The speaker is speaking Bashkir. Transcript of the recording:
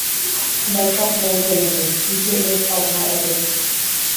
Байтаҡ булды инде, ике-өс аҙна элек.